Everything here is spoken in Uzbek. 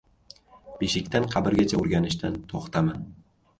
• Beshikdan qabrgacha o‘rganishdan to‘xtama.